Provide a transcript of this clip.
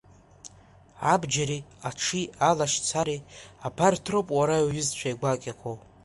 Абџьари, аҽи, алашьцареи абарҭ роуп уара иуҩызцәа гәакьақәоу!